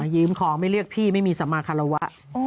ยืมของไม่เรียกพี่ไม่มีสมาคารวะ